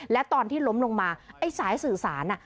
และตอนที่ล้มลงมาไอ้สายสื่อสาร